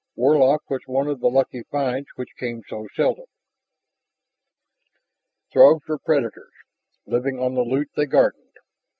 Warlock was one of the lucky finds which came so seldom. Throgs were predators, living on the loot they garnered.